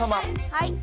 はい。